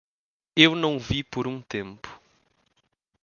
Eu não vi por um tempo.